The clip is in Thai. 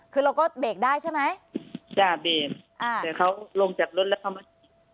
คือเราก็เบรกได้ใช่ไหมจ้ะเบรกอ่าแต่เขาลงจากรถแล้วเขามา